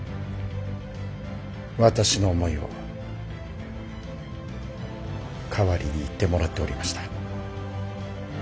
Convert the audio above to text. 私の思いを代わりに言ってもらっておりました。